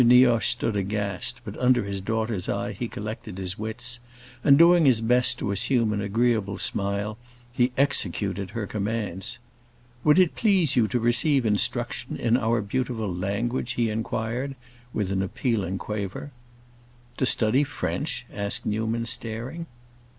Nioche stood aghast, but under his daughter's eye he collected his wits, and, doing his best to assume an agreeable smile, he executed her commands. "Would it please you to receive instruction in our beautiful language?" he inquired, with an appealing quaver. "To study French?" asked Newman, staring.